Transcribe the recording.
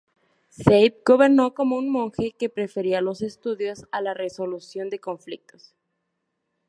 Sava gobernó como un monje que prefería los estudios a la resolución de conflictos.